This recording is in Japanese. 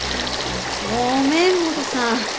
ごめん元さん。